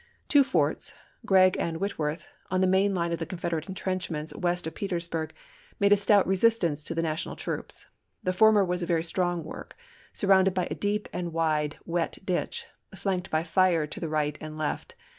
Two forts — Gregg andWhitworth — on the main line of the Confederate intrenchments west of Petersburg made a stout resistance to the National troops. The former was a very strong work, sur rounded by a deep and wide wet ditch, flanked by fire to the right and left.